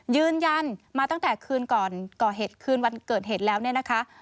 ยืนยันมาตั้งแต่คืนก่อนก่อเหตุคืนวันเกิดเหตุแล้วเนี่ยนะคะ